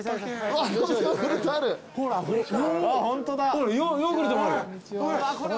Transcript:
ほらヨーグルトもある。